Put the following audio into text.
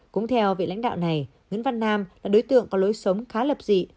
cũng theo vị lãnh đạo này nguyễn văn nam là đối tượng có lối sống khá lập dị